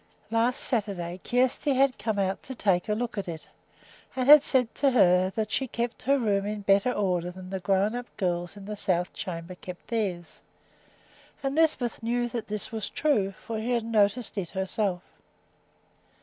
Last Saturday Kjersti had come out to take a look at it, and had said to her that she kept her room in better order than the grown up girls in the south chamber kept theirs; and Lisbeth knew that this was true, for she had noticed it herself.